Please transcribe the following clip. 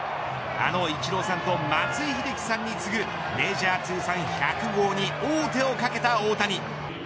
あのイチローさんと松井秀喜さんに続くメジャー通算１００号に王手をかけた大谷。